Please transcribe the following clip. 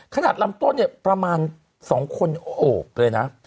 ขนาดลำต้นเนี่ยประมาณ๒คนโอบเลยนะ